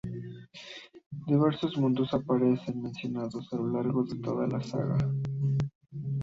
Diversos mundos aparecen mencionados a lo largo de toda la saga.